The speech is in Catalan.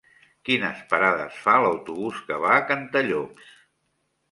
Quines parades fa l'autobús que va a Cantallops?